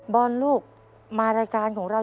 ลูกมารายการของเรา